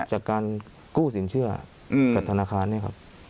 จากการกู้สินเชื่อกับธนาคารเนี่ยครับ